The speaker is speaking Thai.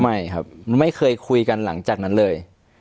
ไม่ครับไม่เคยคุยกันหลังจากนั้นเลย